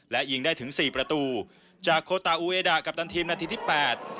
และยิงได้ถึงสี่ประตูจากโคตาอูเอดากัปตันทีมนาทีที่แปด